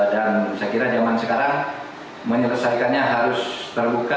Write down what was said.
dan saya kira zaman sekarang menyelesaikannya harus terbuka